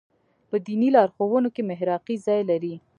په دیني لارښوونو کې محراقي ځای لري.